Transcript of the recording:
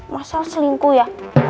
masal selingkuh ya